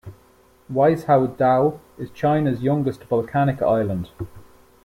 Weizhou Dao is China's youngest volcanic island.